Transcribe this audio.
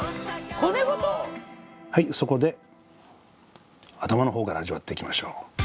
はいそこで頭の方から味わっていきましょう。